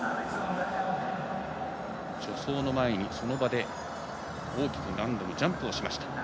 助走の前に何度もその場で大きくジャンプしました。